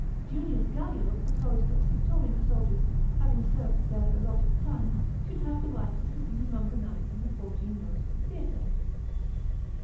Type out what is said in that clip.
Junius Gallic proposed that the praetorian soldiers, after having served their allotted time, should have the right of sitting among the knights in the fourteen rows of the theatre.